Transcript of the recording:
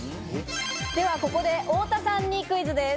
ではここで太田さんにクイズです。